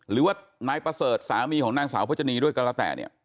หรือว่านายประเสริฐสามีของนางสาวพจนีด้วยก็แล้วแต่เนี่ย